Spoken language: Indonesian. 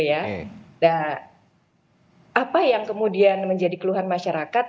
nah apa yang kemudian menjadi keluhan masyarakat